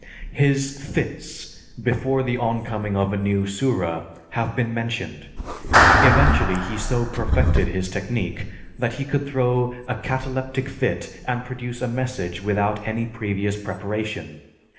His "fits" before the oncoming of a new Sura have been mentioned. Eventually, he so perfected his technique that he could throw a cataleptic fit and produce a message without any previous preparation.